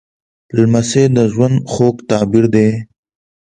لمسی د ژوند خوږ تعبیر دی.